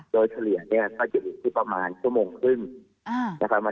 โดยเหลี่ยยอดอยู่ที่ประมาณสุดมองครึ่ง